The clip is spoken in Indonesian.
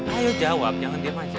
ayo jawab jangan diam saja